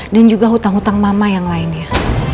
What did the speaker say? dan juga hutang hutang mama yang lainnya